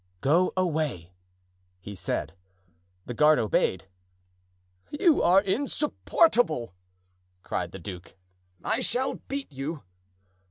"Go away," he said. The guard obeyed. "You are insupportable!" cried the duke; "I shall beat you."